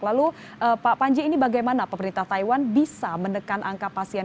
lalu pak panji ini bagaimana pemerintah taiwan bisa menekan angka pasien